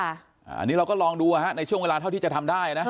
อันนี้เราก็ลองดูในช่วงเวลาเท่าที่จะทำได้นะ